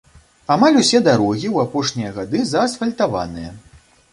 Амаль усе дарогі ў апошнія гады заасфальтаваныя.